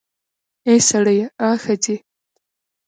اې سړیه, آ ښځې